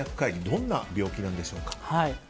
どんな病気なんでしょうか？